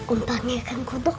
untungnya kan kuduk